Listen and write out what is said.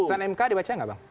putusan mk dibaca nggak bang